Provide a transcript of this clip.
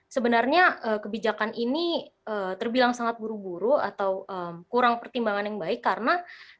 sebenarnya kebijakan ini terbilang sangat buru buru atau kurang pertimbangan yang baik karena